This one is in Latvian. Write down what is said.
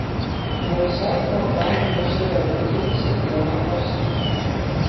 Maija sākumā Prāga mūs sagaida ar trīsdesmit grādu karstumu.